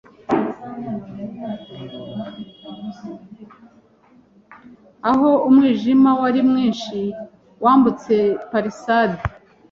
aho umwijima wari mwinshi, wambutse palisade.